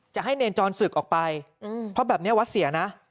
จะให้เนรจรศึกออกไปเพราะแบบนี้วัดเสียนะ